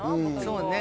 そうね。